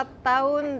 hampir empat tahun